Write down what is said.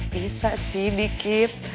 bisa sih dikit